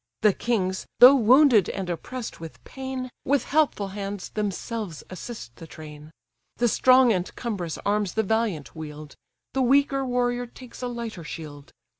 The kings, though wounded, and oppress'd with pain, With helpful hands themselves assist the train. The strong and cumbrous arms the valiant wield, The weaker warrior takes a lighter shield.